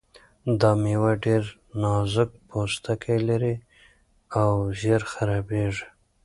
دا مېوه ډېر نازک پوستکی لري او ژر خرابیږي.